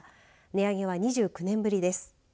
値上げは２９年ぶりです。